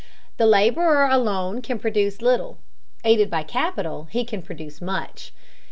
The laborer alone can produce little; aided by capital he can produce much.